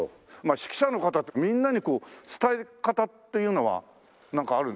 指揮者の方ってみんなに伝え方っていうのはなんかあるんですか？